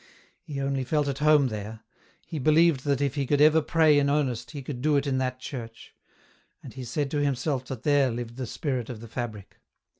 He only felt at home there, he believed that if he could ever pray in earnest he could do it in that church ; and he said to himself that there lived the spirit of the fabric.